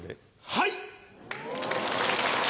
はい！